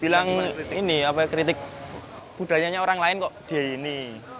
bilang ini apa kritik budayanya orang lain kok dia ini